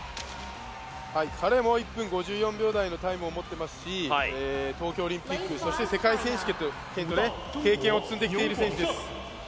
彼も１分５４秒台のタイムを持っていますし、東京オリンピックそして世界選手権と経験を積んできている選手です。